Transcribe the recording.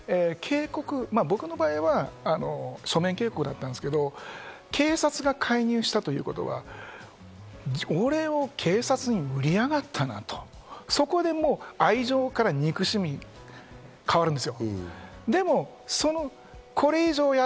やはり、僕の場合は書面警告だったんですけど、警察が介入したということは、俺を警察に売りやがったな！と、そこでもう愛情から憎しみに変わるんです。